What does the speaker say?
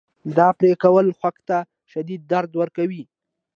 دا پرې کول خوک ته شدید درد ورکوي.